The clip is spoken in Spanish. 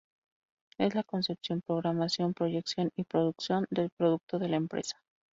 Es la concepción, programación, proyección y producción del Producto de la empresa.